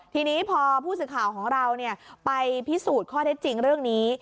ทีนี้พอผู้สื่อข่าวของเราไปพิสูจน์ข้อเท็จจริงเรื่องนี้